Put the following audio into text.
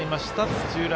土浦